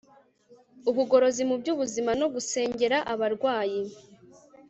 ubugorozi mu by'ubuzima no gusengera abarwayi